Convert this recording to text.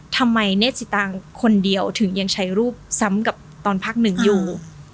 เนธสิตางคนเดียวถึงยังใช้รูปซ้ำกับตอนพักหนึ่งอยู่